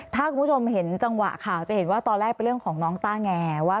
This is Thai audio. ถ้าคุณผู้ชมเห็นจังหวะข่าวจะเห็นว่าตอนแรกเป็นเรื่องของน้องต้าแงว่า